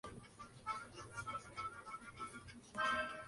Castañares, Av.